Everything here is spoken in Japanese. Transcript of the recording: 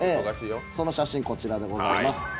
その写真こちらです。